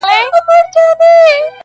وخت به راځي نومونه ياد د هر يوي وساتئ